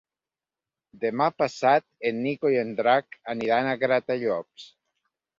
Demà passat en Nico i en Drac aniran a Gratallops.